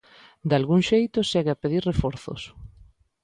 Dalgún xeito, segue a pedir reforzos.